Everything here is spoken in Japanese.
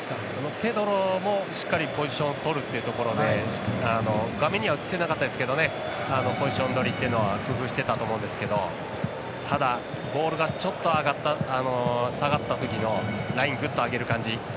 ペドロもしっかりポジションを取るというところで画面には映せなかったですけどポジション取りというのは崩してたと思うんですけどただ、ボールがちょっと下がったときラインをぐっと上げる感じ